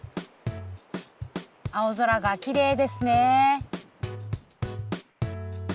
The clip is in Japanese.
青空がきれいですね。